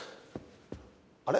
あれ？